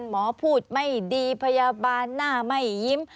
หมอพูดไม่ดีพยาบาลหน้าไม่ยิ้ม